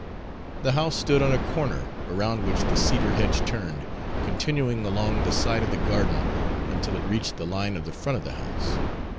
The house stood on a corner, around which the cedar hedge turned, continuing along the side of the garden until it reached the line of the front of the house.